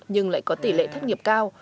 nhưng lại có tỷ lệ thất nghiệp cao